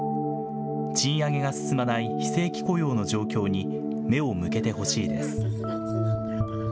賃上げが進まない非正規雇用の状況に目を向けてほしいです。